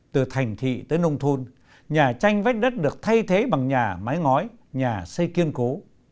từ thành thị tới nông thôn nhà tranh vách đất được thay thế bằng nhà mái ngói nhà xây kiên cố